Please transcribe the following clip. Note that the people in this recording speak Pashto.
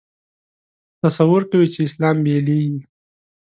تصور کوي چې اسلام بېلېږي.